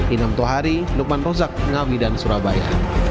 inam tohari lukman rozak ngawi dan surabaya